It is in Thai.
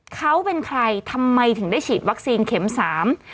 เขาเป็นใครทำไมถึงได้ฉีดวัคซีนเข็มสาม